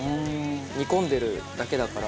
煮込んでるだけだから。